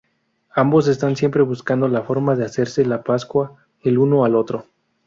Ambos están siempre buscando la forma de hacerse la pascua el uno al otro.